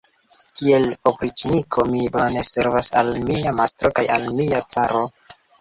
Kiel opriĉniko mi bone servas al mia mastro kaj al mia caro.